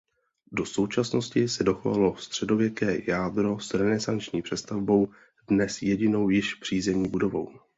Do současnosti se dochovalo středověké jádro s renesanční přestavbou dnes jedinou již přízemní budovou.